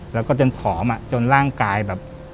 แล้วก็จนผอมจนร่างกายแบบ